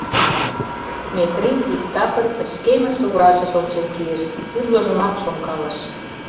Метрий иктапыр пычкемыш туврашыш ончен кийыш, тӱрлыжымат шонкалыш.